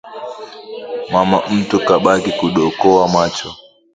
Mama mtu kabaki kukodoa macho